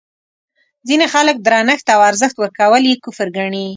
ځینې خلک درنښت او ارزښت ورکول یې کفر ګڼي.